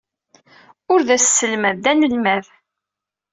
Ur d aselmad, d anelmad.